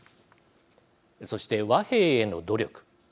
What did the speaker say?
そして和平への努力。